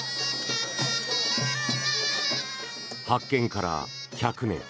発見から１００年。